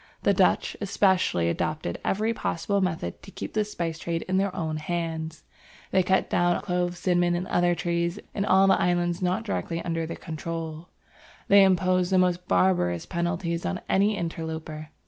The Dutch, especially, adopted every possible method to keep the spice trade in their own hands. They cut down the clove, cinnamon, and other trees, in all the islands not directly under their control. They imposed the most barbarous penalties on any interloper.